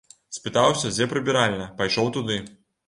Спытаўся, дзе прыбіральня, пайшоў туды.